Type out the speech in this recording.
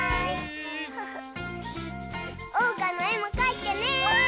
おうかのえもかいてね！